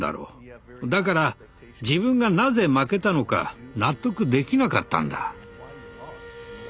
だから自分がなぜ負けたのか納得できなかったんだ。